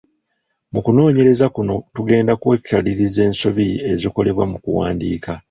Mu kunoonyereza kuno tugenda kwekaliriza ensobi ezikolebwa mu kuwandiika.